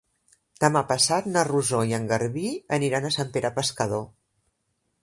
Demà passat na Rosó i en Garbí aniran a Sant Pere Pescador.